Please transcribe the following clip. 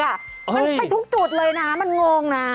มันไปทุกจุดเลยนะมันงงนะ